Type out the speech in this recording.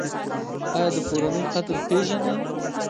ایا د کورنۍ قدر پیژنئ؟